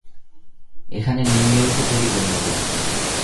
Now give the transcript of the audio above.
এখানে নিউ ইয়র্কে তৈরী করে নেব।